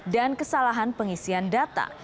dan kesalahan pengisian data